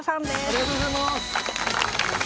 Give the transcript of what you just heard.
ありがとうございます。